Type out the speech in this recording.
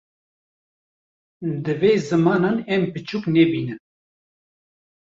Divê zimanan em piçûk nebînin